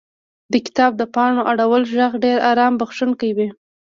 • د کتاب د پاڼو اړولو ږغ ډېر آرام بښونکی وي.